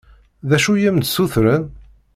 D acu i am-d-ssutren?